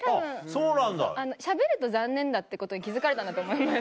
たぶんしゃべると残念だってことに気付かれたんだと思います。